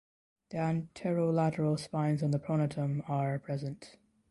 The anterolateral spines on the pronotum are present.